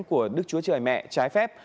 của đức chúa trời mẹ trái phép